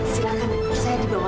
silahkan saya dibawa